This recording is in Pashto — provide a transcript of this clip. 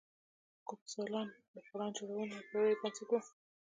ګوسپلن د پلان جوړونې یو پیاوړی بنسټ و